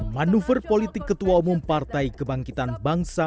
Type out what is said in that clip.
manuver politik ketua mompartai kebangkitan bangsa